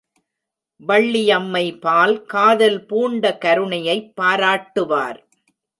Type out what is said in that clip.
வள்ளியம்மைபால் காதல் பூண்ட கருணையைப் பாராட்டுவார்.